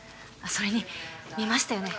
それに見ましたよね